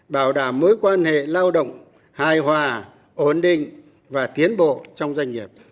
bảo đảm mối quan hệ lao động hài hòa ổn định và tiến bộ trong doanh nghiệp